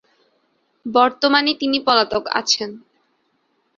বর্তমানে তিনি পলাতক আছেন।